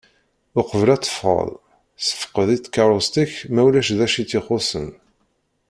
Uqbel ad tefɣeḍ sefqed i tkerrust-ik ma ulac d acu i tt-ixuṣṣen.